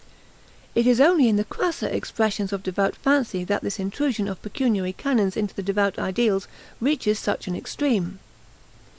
It is only in the crasser expressions of devout fancy that this intrusion of pecuniary canons into the devout ideals reaches such an extreme.